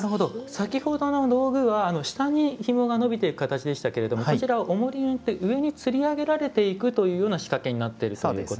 先ほどの道具は下にひもが伸びていく形でしたけれどもこちらはおもりによって上につり上げられていくというような仕掛けになっているということなんですか。